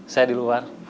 saya di luar